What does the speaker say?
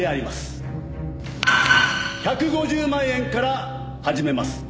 １５０万円から始めます。